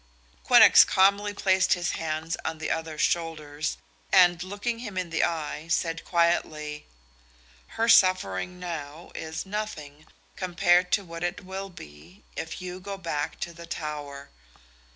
Quinnox calmly placed his hands on the other's shoulders, and, looking him in the eye, said quietly: "Her suffering now is as nothing compared to what it will be if you go back to the Tower.